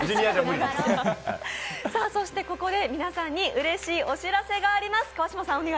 ここで、皆さんにうれしいお知らせがあります。